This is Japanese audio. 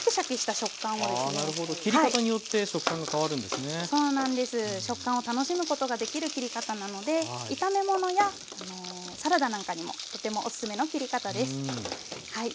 食感を楽しむことができる切り方なので炒め物やサラダなんかにもとてもおすすめの切り方です。